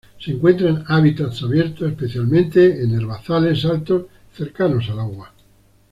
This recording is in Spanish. Se encuentra en hábitats abiertos, especialmente en herbazales altos cercanos al agua.